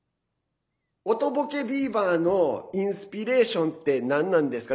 おとぼけビバのインスピレーションってなんなんですか？